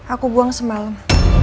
aku buang semalam